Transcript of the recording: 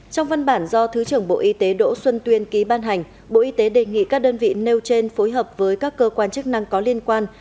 trong văn bản do thứ trưởng bộ y tế đỗ xuân tuyên ký ban hành bộ y tế đề nghị các đơn vị nêu trên phối hợp với các cơ quan chức năng có liên quan